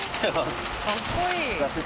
かっこいい！